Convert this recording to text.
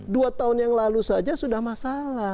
dua tahun yang lalu saja sudah masalah